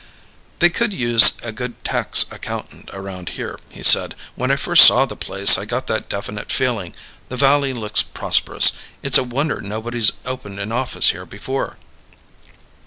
"They could use a good tax accountant around here," he said. "When I first saw the place, I got that definite feeling. The valley looks prosperous. It's a wonder nobody's opened an office here before."